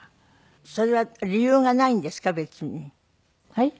はい？